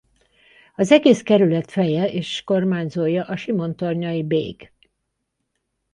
Az egész kerület feje és kormányzója a simontornyai bég.